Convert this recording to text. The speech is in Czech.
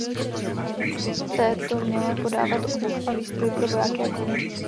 Této měla dodávat obuv a výstroj pro vojáky a koně.